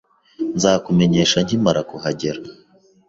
Nzakumenyesha nkimara kuhagera.